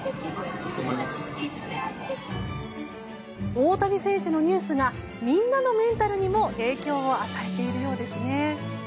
大谷選手のニュースがみんなのメンタルにも影響を与えているようですね。